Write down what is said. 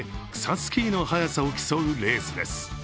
スキーの速さを競うレースです。